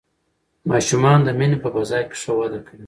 ماشومان د مینې په فضا کې ښه وده کوي